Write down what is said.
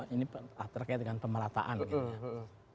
ini terkait dengan pemerataan gitu ya